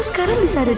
tidak ada apa apa